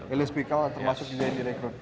elias pikel termasuk juga yang direkrut